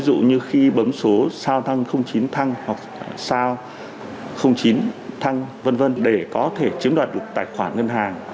ví dụ như khi bấm số sao tăng chín thăng hoặc sao chín thăng v v để có thể chiếm đoạt được tài khoản ngân hàng